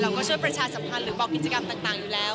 ช่วยประชาสัมพันธ์หรือบอกกิจกรรมต่างอยู่แล้ว